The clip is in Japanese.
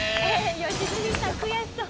良純さん悔しそう。